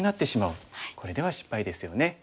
これでは失敗ですよね。